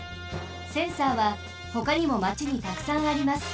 センサーはほかにもマチにたくさんあります。